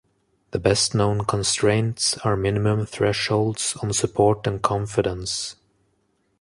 The best-known constraints are minimum thresholds on support and confidence.